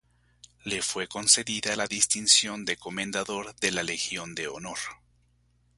Le fue concedida la distinción de comendador de la Legión de Honor.